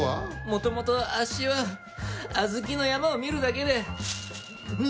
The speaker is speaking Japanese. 元々あっしは小豆の山を見るだけで。